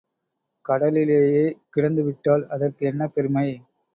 கடலிலேயே கிடந்துவிட்டால் அதற்கு என்ன பெருமை?